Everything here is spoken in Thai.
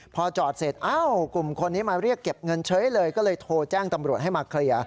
พอจอดเสร็จกลุ่มคนนี้มาเรียกเก็บเงินเฉยเลยก็เลยโทรแจ้งตำรวจให้มาเคลียร์